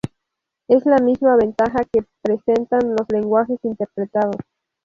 Es la misma ventaja que presentan los lenguajes interpretados.